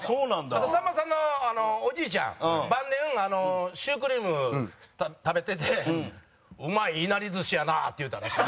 あとさんまさんのおじいちゃん晩年シュークリーム食べてて「うまいいなり寿司やな」って言うたらしい。